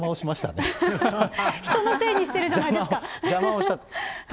人のせいにしてるじゃないで邪魔をした？